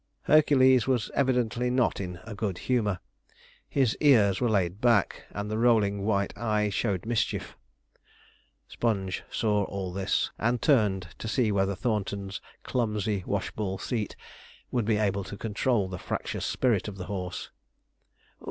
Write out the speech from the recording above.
Hercules was evidently not in a good humour. His ears were laid back, and the rolling white eye showed mischief. Sponge saw all this, and turned to see whether Thornton's clumsy, wash ball seat, would be able to control the fractious spirit of the horse.